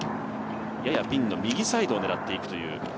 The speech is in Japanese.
ややピンの右サイドを狙っていくという。